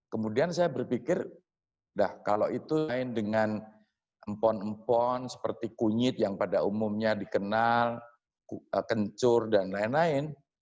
kemudian saya berpikir dah kalau itu lain dengan empon empon seperti kunyit yang pada umumnya dikenal kencur dan lain lain